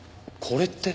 これって。